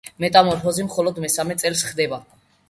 მეტამორფოზი მხოლოდ მესამე წელს ხდება.